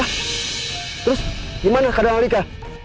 apa terus dimana kadang alika